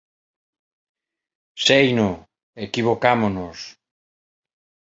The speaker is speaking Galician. Seino, equivocámonos